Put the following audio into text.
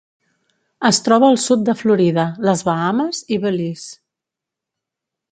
Es troba al sud de Florida, les Bahames i Belize.